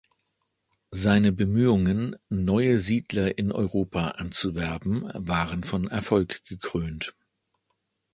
Seine Bemühungen, neue Siedler in Europa anzuwerben, waren von Erfolg gekrönt.